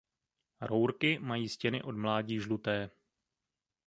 Rourky mají stěny od mládí žluté.